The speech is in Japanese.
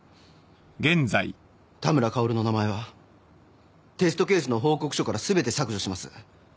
田村薫の名前はテストケースの報告書から全て削除します。